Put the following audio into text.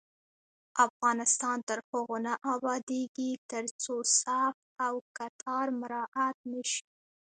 افغانستان تر هغو نه ابادیږي، ترڅو صف او کتار مراعت نشي.